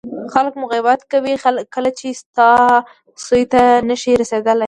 خلک مو غیبت کوي کله چې ستا سویې ته نه شي رسېدلی.